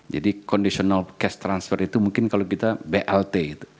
jadi conditional cash transfer itu mungkin kalau kita blt